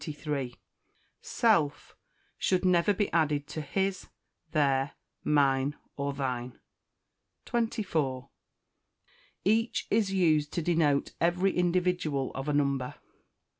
Self should never be added to his, their, mine, or thine. 24. Each is used to denote every individual of a number.